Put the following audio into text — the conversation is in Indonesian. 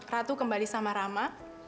ratu kembali sama rama